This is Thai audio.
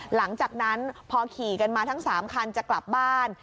หลังจากนั้นพอขี่กันมาทั้ง๓คันจะกลับบ้าน